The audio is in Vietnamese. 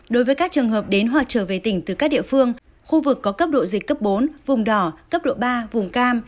đối với các trường hợp đến hoặc trở về tỉnh từ các địa phương khu vực có cấp độ dịch cấp bốn vùng đỏ cấp độ ba vùng cam